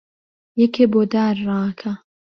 یەکێ بۆ دار ڕائەکا